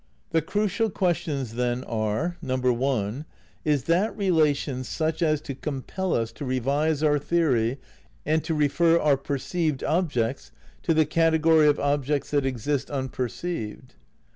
The crucial questions then are: (1) Is that relation such as to compel us to revise our theory and to refer our perceived objects to the category of objects that exist unperceived?